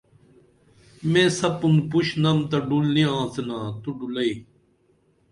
میں سپُن پُش نم تہ ڈُل نی آڅِنا تو ڈُلائی